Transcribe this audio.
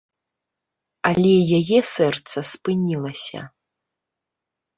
Але яе сэрца спынілася.